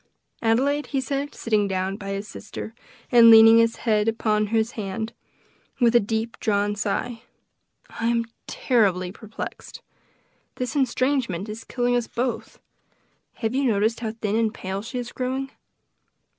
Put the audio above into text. Adelaide," he said, sitting down by his sister, and leaning his head upon his hand, with a deep drawn sigh, "I am terribly perplexed! This estrangement is killing us both. Have you noticed how thin and pale she is growing?